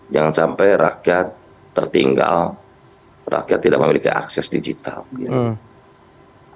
jangan sampai rakyat tertinggal rakyat tidak memiliki akses digital gitu